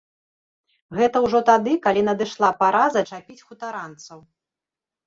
Гэта ўжо тады, калі надышла пара зачапіць хутаранцаў.